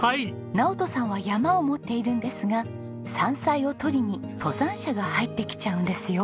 直登さんは山を持っているんですが山菜を採りに登山者が入ってきちゃうんですよ。